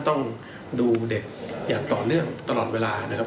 ต้องดูเด็กอย่างต่อเนื่องตลอดเวลานะครับ